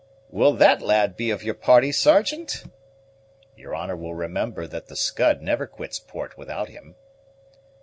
"Will that lad be of your party, Sergeant?" "Your honor will remember that the Scud never quits port without him."